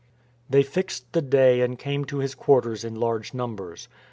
They fixed the day and came to his quarters in large numbers.